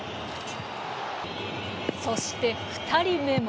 そして、２人目も。